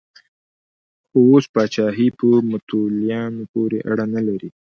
خو اوس پاچاهي په متولیانو پورې اړه نه لري.